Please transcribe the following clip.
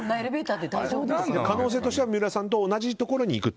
可能性としては三浦さんと同じところに行く。